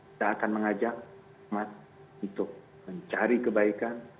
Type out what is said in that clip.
kita akan mengajak umat itu mencari kebaikan mencari kebaikan mencari kebaikan